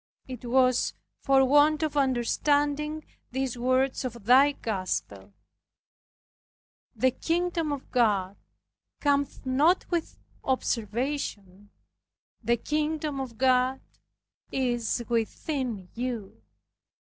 It was for want of understanding these words of Thy Gospel, "The kingdom of God cometh not with observation... The kingdom of God is within you."